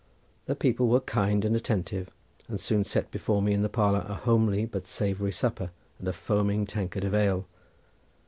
The people were kind and attentive, and soon set before me in the parlour a homely but savoury supper, and a foaming tankard of ale.